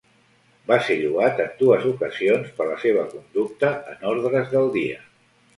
Va ser lloat en dues ocasions per la seva conducta en ordres del dia.